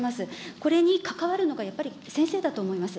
これに関わるのがやっぱり先生だと思います。